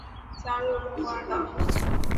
加入中国共产党。